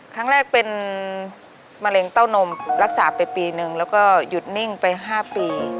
ครั้งแรกเป็นมะเร็งเต้านมรักษาไปปีนึงแล้วก็หยุดนิ่งไป๕ปี